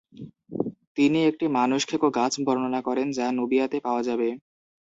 তিনি একটি "মানুষ-খেকো গাছ" বর্ণনা করেন যা নুবিয়াতে পাওয়া যাবে।